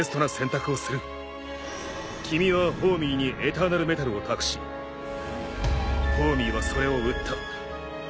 君はホーミーにエターナルメタルを託しホーミーはそれを売った。